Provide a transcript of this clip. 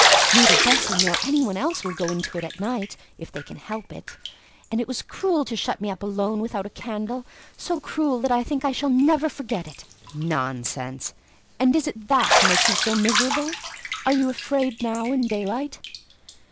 Neither Bessie nor any one else will go into it at night, if they can help it; and it was cruel to shut me up alone without a candle,—so cruel that I think I shall never forget it." "Nonsense! And is it that makes you so miserable? Are you afraid now in daylight?"